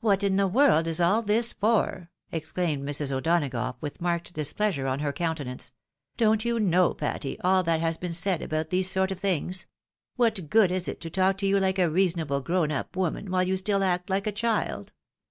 "What in the world is all this for?" exclaimed Mrs. O'Donagough, with marked displeasure on her countenance. " Don't you know, Patty, all that has been said about these sort of things ? What good is it to talk to you hke a reason able grown up woman, while you stUl act hke a child